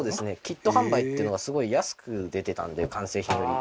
キット販売っていうのがすごい安く出てたんで完成品より。